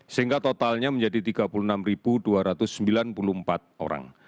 sehingga totalnya menjadi tiga puluh enam dua ratus sembilan puluh empat orang